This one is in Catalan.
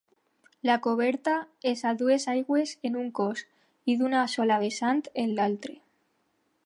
La coberta és a dues aigües en un cos i d'una sola vessant en l'altre.